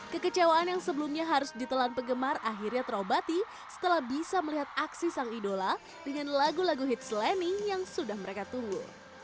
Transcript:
kekecewaan yang sebelumnya harus ditelan penggemar akhirnya terobati setelah bisa melihat aksi sang idola dengan lagu lagu hits lening yang sudah mereka tunggu